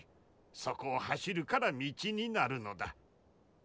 そこを走るから道になるのだ。